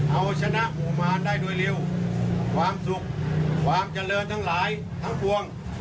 เอาชนะหมู่มารได้โดยเร็วความสุขความเจริญทั้งหลายทั้งปวง